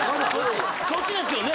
そっちですよね